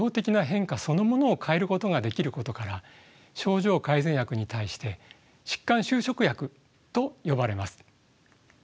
そのものを変えることができることから症状改善薬に対して疾患修飾薬と呼ばれます。